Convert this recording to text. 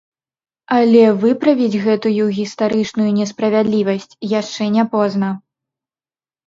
Але выправіць гэтую гістарычную несправядлівасць яшчэ не позна.